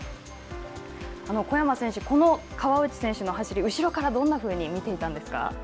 小山選手、この川内選手の走り、後ろからどんなふうに見ていたんですか。